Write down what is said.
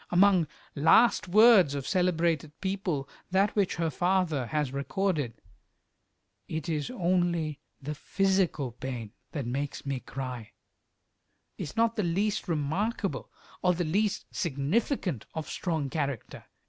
Among "last words" of celebrated people, that which her father has recorded, "It is only the physical pain that makes me cry," is not the least remarkable, or the least significant of strong character.